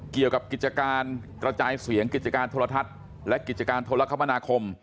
เกี่ยวกับกิจการกระจายเสียงกิจการโทรทัศน์และกิจการโทรคมนาคม